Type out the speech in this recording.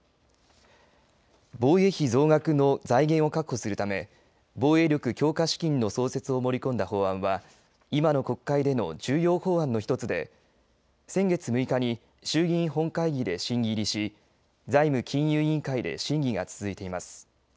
防衛費増額の財源を確保するため防衛力強化資金の創設を盛り込んだ法案は今の国会での重要法案の１つで先月６日に衆議院本会議で審議入りし財務金融委員会で審議が続いています。